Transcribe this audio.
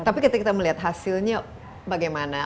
tapi ketika kita melihat hasilnya bagaimana